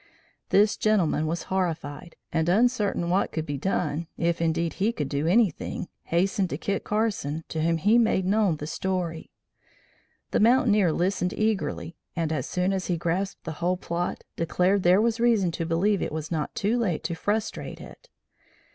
This gentleman was horrified, and uncertain what could be done, if indeed he could do anything, hastened to Kit Carson, to whom he made known the story. The mountaineer listened eagerly, and, as soon as he grasped the whole plot, declared there was reason to believe it was not too late to frustrate it.